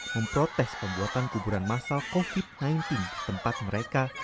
memprotes pembuatan kuburan masal covid sembilan belas di tempat mereka